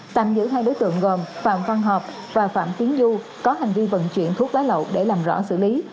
tạm giữ hai đối tượng gồm phạm văn hợp và phạm tiến du có hành vi vận chuyển thuốc lá lậu để làm rõ xử lý